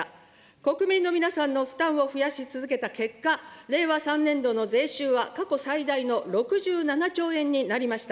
国民の皆さんの負担を増やし続けた結果、令和３年度の税収は過去最大の６７兆円になりました。